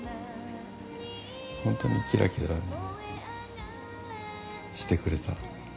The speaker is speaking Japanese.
ほんとにキラキラしてくれた。